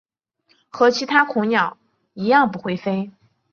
和其他恐鸟一样不会飞。